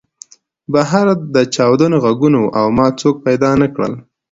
بهر د چاودنو غږونه وو او ما څوک پیدا نه کړل